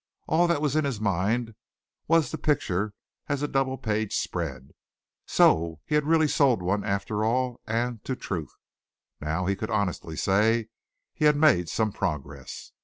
All that was in his mind was the picture as a double page spread. So he had really sold one after all and to Truth! Now he could honestly say he had made some progress.